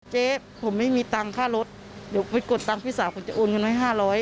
เจ๊ผมไม่มีตังค์ค่ารถเดี๋ยวไปกดตังค์พี่สาวผมจะโอนเงินไว้๕๐๐